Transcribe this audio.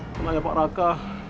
penanya pak raka